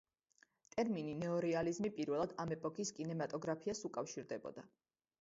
ტერმინი ნეორეალიზმი პირველად ამ ეპოქის კინემატოგრაფიას უკავშირდებოდა.